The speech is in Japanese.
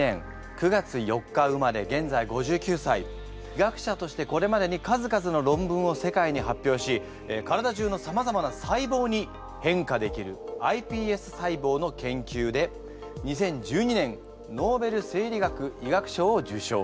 医学者としてこれまでに数々の論文を世界に発表し体じゅうのさまざまな細胞に変化できるｉＰＳ細胞の研究で２０１２年ノーベル生理学・医学賞を受賞。